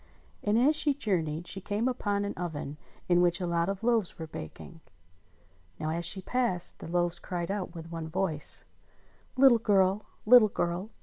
And as she jour neyed she came upon an oven in which a lot of loaves were baking. Now, as she passed, the loaves cried out with one voice : "Little girl! Little girl!